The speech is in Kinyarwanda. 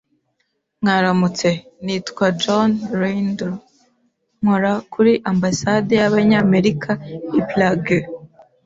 Mwaramutse. Nitwa John Reindle. Nkora kuri Ambasade y'Abanyamerika i Prague.